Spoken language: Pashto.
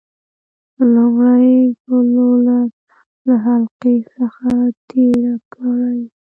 لومړی ګلوله له حلقې څخه تیره کړئ.